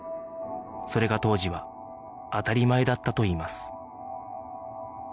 それが当時は当たり前だったといいます